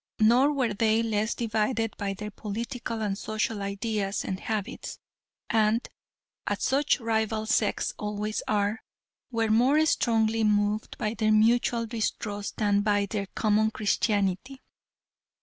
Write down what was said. Nor were they less divided by their political and social ideas and habits, and, as such rival sects always are, were more strongly moved by their mutual distrust than by their common Christianity.